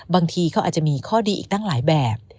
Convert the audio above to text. บางทีเขาอาจจะมีข้อดีอีกตั้งหลายแบบ